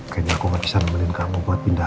kayaknya aku nggak bisa menemuin kamu buat pindah